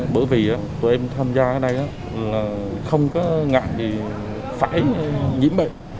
bởi vì tụi em tham gia ở đây là không có ngại gì phải nhiễm bệnh